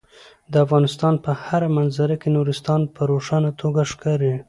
د افغانستان په هره منظره کې نورستان په روښانه توګه ښکاري.